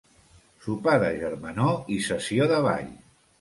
Sopar de germanor i sessió de ball.